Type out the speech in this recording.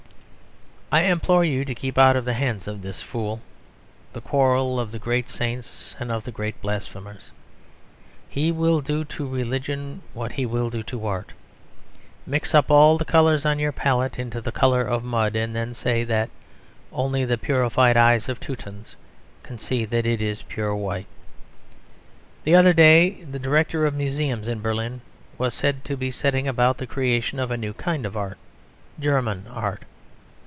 I implore you to keep out of the hands of this Fool the quarrel of the great saints and of the great blasphemers. He will do to religion what he will do to art; mix up all the colours on your palette into the colour of mud: and then say that only the purified eyes of Teutons can see that it is pure white. The other day the Director of Museums in Berlin was said to be setting about the creation of a new kind of Art: German Art.